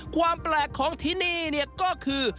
ความแปลกของที่นี่ก็คือ